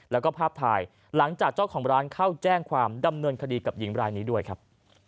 แล้วก็ภาพถ่ายหลังจากเจ้าของร้านเข้าแจ้งความดำเนินคดีกับหญิงรายนี้ด้วยครับ